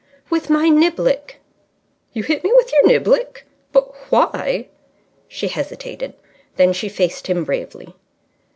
"With my niblick." "You hit me with your niblick? But why?" She hesitated. Then she faced him bravely.